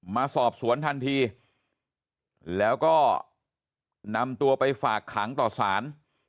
มาสอบสวนทันทีแล้วก็นำตัวไปฝากขังต่อสาร